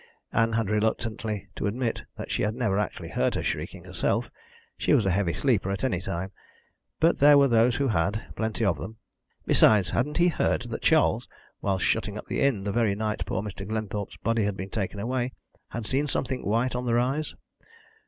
Ann had reluctantly to admit that she had never actually heard her shrieking herself she was a heavy sleeper at any time but there were those who had, plenty of them. Besides, hadn't he heard that Charles, while shutting up the inn the very night poor Mr. Glenthorpe's body had been taken away, had seen something white on the rise?